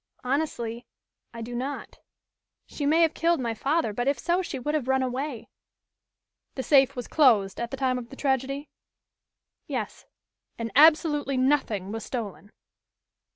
"Honestly I do not. She may have killed my father, but if so she would have run away." "The safe was closed at the time of the tragedy?" "Yes." "And absolutely nothing was stolen?"